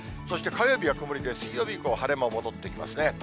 そして火曜日は曇りで、水曜日以降、晴れ間、戻ってきますね。